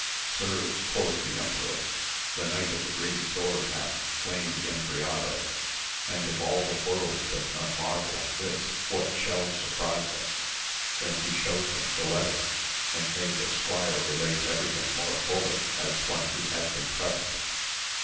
Sirs, quoth the em peror, the Knight of the Green Sword hath slain the Endriago, and if all the world does not marvel at this what shall surprize us? then he showed them the letter, and made the squire relate everything more fully as one who had been present.